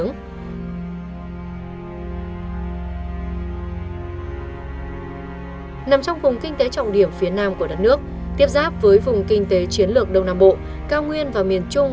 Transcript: nằm trong vùng kinh tế trọng điểm phía nam của đất nước tiếp giáp với vùng kinh tế chiến lược đông nam bộ cao nguyên và miền trung